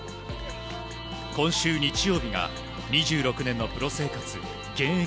今週日曜日が２６年のプロ生活現役